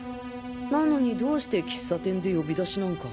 なのにどうして喫茶店で呼び出しなんか。